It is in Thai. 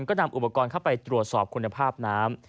ก็นำอุปกรณ์เข้าไปตรวจสอบคุณภาพน้ำ